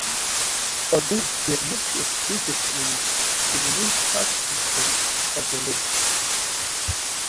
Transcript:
Although he had no ties with the community he remains part of the lore.